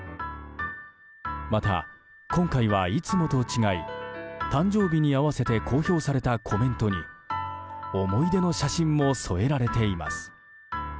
また、今回はいつもと違い誕生日に合わせて公表されたコメントに思い出の写真も添えられています。